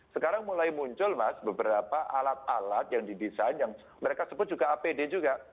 sekarang mulai muncul mas beberapa alat alat yang didesain yang mereka sebut juga apd juga